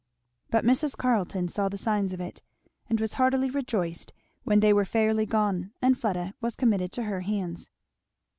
But Mrs. Carleton saw the signs of it, and was heartily rejoiced when they were fairly gone and Fleda was committed to her hands.